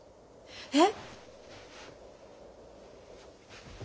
えっ！？